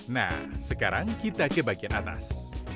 nah sekarang kita ke bagian atas